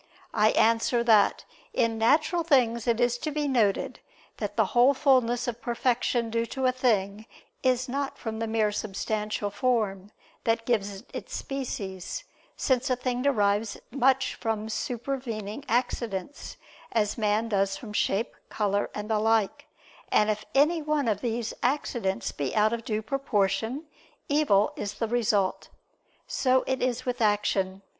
I answer that, In natural things, it is to be noted that the whole fulness of perfection due to a thing, is not from the mere substantial form, that gives it its species; since a thing derives much from supervening accidents, as man does from shape, color, and the like; and if any one of these accidents be out of due proportion, evil is the result. So it is with action.